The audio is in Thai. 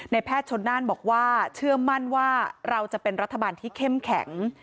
แพทย์ชนน่านบอกว่าเชื่อมั่นว่าเราจะเป็นรัฐบาลที่เข้มแข็ง